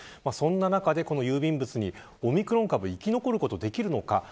そんな中で郵便物にオミクロン株が生き残ることができるのか。